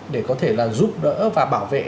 để có thể là giúp đỡ và bảo vệ